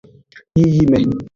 Yiyime.